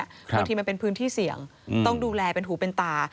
บางทีมันเป็นพื้นที่เสี่ยงต้องดูแลเป็นหูเป็นตา